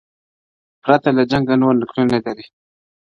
پرته له جنګه نور نکلونه لرې؟-